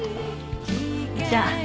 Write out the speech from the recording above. じゃあ。